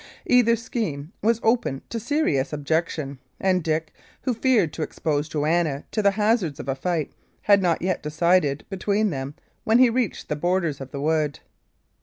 Either scheme was open to serious objection, and Dick, who feared to expose Joanna to the hazards of a fight, had not yet decided between them when he reached the borders of the wood.